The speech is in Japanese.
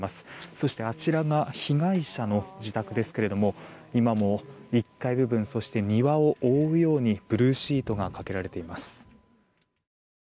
そして、あちらが被害者の自宅ですけれども今も１階部分そして庭を覆うようにブルーシートがかけられています。